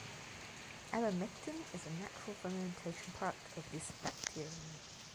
Abamectin is a natural fermentation product of this bacterium.